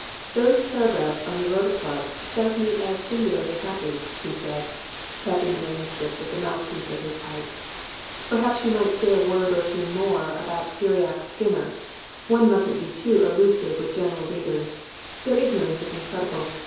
'Those paragraphs on the Rota Club strike me as singularly happy,' he said, tapping the manuscript with the mouthpiece of his pipe. 'Perhaps you might say a word or two more about Cyriac Skinner; one mustn't be too allusive with general readers, their ignorance is incredible.